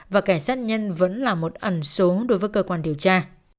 và kẻ sát nhân vẫn là một ẩn số đối với cơ quan điều tra